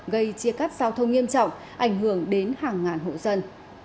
gây chia cắt giao thông nghiêm trọng ảnh hưởng đến hàng ngàn hộ dân